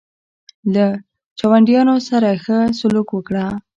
له چاونډیانو سره ښه سلوک وکړه.